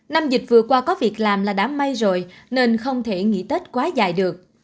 năm dịch vừa qua có việc làm là đã may rồi nên không thể nghỉ tết quá dài được